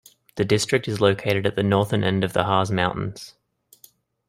The district is located at the northern end of the Harz mountains.